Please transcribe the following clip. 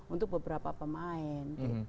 untuk beberapa pemain